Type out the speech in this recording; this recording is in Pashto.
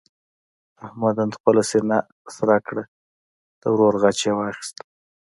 احمد نن خپله سینه سړه کړه. د ورور غچ یې واخیست.